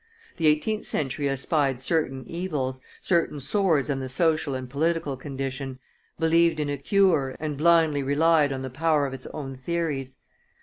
The eighteenth century espied certain evils, certain sores in the social and political condition, believed in a cure, and blindly relied on the power of its own theories.